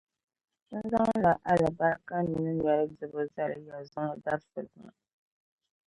N zaŋla alibarika minii noli dibu zali ya zuŋɔ dabisili ŋɔ.